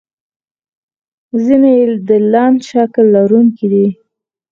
ځینې یې د لنډ شکل لرونکي دي.